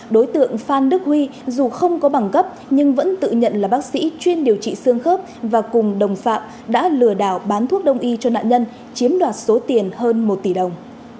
đối tượng phan đức huy dù không có bằng cấp nhưng vẫn tự nhận là bác sĩ chuyên điều trị xương khớp và cùng đồng phạm đã lừa đảo bán thuốc đông y cho nạn nhân chiếm đoạt số tiền hơn một tỷ đồng